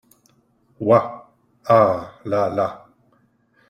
Ouah !… ah ! là ! là !…